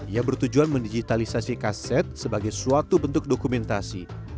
ia bertujuan mendigitalisasi kaset sebagai suatu bentuk dokumentasi